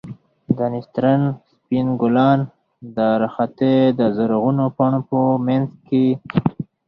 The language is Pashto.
د نسترن سپين ګلان د درختې د زرغونو پاڼو په منځ کښې.